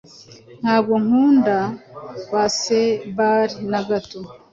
Ntabwo nkunda baseball na gato.